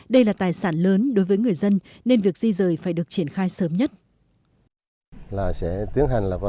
đây là tài sản lớn đối với người dân nên việc di rời phải được cố gắng